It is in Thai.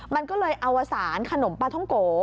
มันก็เลยอวสารขนมปลาท่องโก